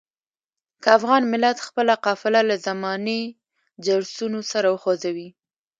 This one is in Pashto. که افغان ملت خپله قافله له زماني جرسونو سره وخوځوي.